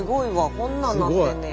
こんなんなってんねや。